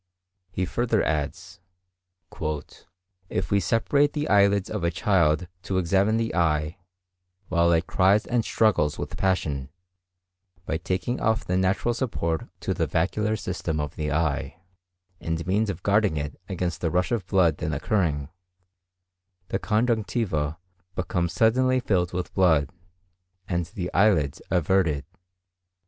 He further adds, "If we separate the eyelids of a child to examine the eye, while it cries and struggles with passion, by taking off the natural support to the vascular system of the eye, and means of guarding it against the rush of blood then occurring, the conjunctiva becomes suddenly filled with blood, and the eyelids everted."